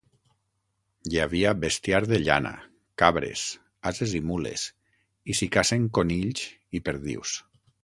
Hi havia bestiar de llana, cabres, ases i mules, i s'hi cacen conills i perdius.